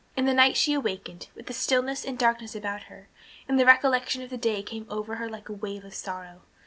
In the night she awakened, with the stillness and the darkness about her, and the recollection of the day came over her like a wave of sorrow.